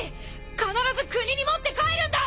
必ず国に持って帰るんだ！